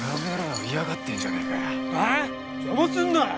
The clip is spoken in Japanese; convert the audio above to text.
邪魔すんなよ！